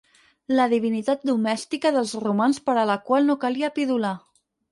La divinitat domèstica dels romans per a la qual no calia pidolar.